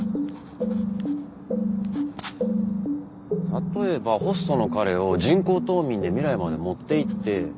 例えばホストの彼を人工冬眠で未来まで持っていって。